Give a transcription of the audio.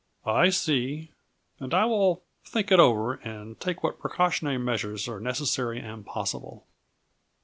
"I see, and I will think it over and take what precautionary measures are necessary and possible."